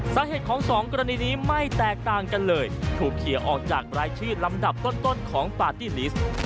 สาเหตุของสองกรณีนี้ไม่แตกต่างกันเลยถูกเคลียร์ออกจากรายชื่อลำดับต้นของปาร์ตี้ลิสต์